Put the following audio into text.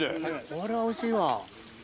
これはおいしいわ。